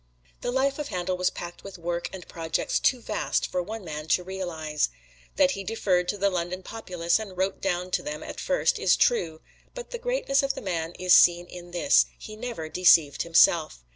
The life of Handel was packed with work and projects too vast for one man to realize. That he deferred to the London populace and wrote down to them at first, is true; but the greatness of the man is seen in this he never deceived himself.